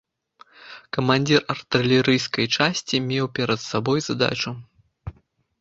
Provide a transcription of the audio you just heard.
Камандзір артылерыйскай часці меў перад сабой задачу.